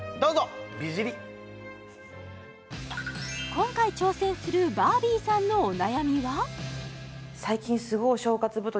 今回挑戦するバービーさんのお悩みは？